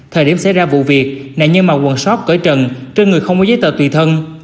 thời điểm xảy ra vụ việc nạn nhân mặc quần sóc cởi trần trên người không có giấy tờ tùy thân